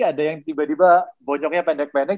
ada yang tiba tiba bonyoknya pendek pendek